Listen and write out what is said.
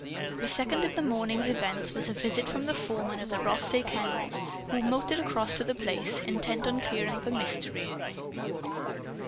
The second of the morning's events was a visit from the foreman of the Rothsay Kennels, who motored across to The Place, intent on clearing up a mystery.